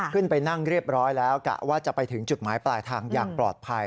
ขึ้นไปนั่งเรียบร้อยแล้วกะว่าจะไปถึงจุดหมายปลายทางอย่างปลอดภัย